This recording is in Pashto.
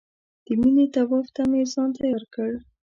د مینې طواف ته مې ځان تیار کړ.